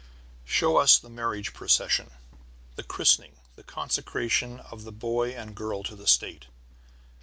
Show us the marriage procession, the christening, the consecration of the boy and girl to the state.